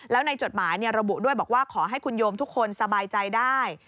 แล้วในจดหมายระบุด้วยบอกว่าขอให้คุณโยมทุกคนสบายใจได้